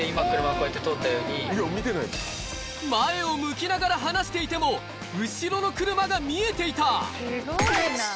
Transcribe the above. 前を向きながら話していても、後ろの車が見えていた。